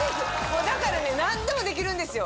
もうだからね何でもできるんですよ